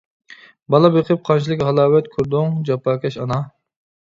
بالا بېقىپ قانچىلىك ھالاۋەت كۆردۈڭ جاپاكەش ئانا.